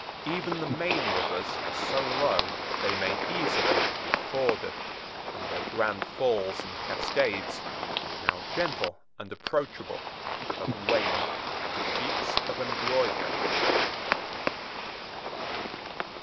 Even the main rivers are so low they may easily be forded, and their grand falls and cascades, now gentle and approachable, have waned to sheets of embroidery.